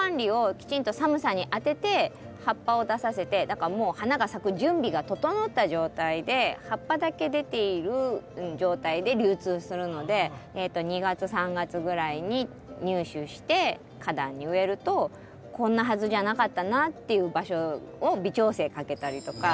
だからもう花が咲く準備が整った状態で葉っぱだけ出ている状態で流通するので２月３月ぐらいに入手して花壇に植えるとこんなはずじゃなかったなっていう場所を微調整かけたりとか。